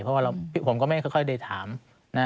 เพราะว่าผมก็ไม่ค่อยได้ถาม